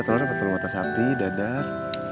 telur telur matahas sapi dadar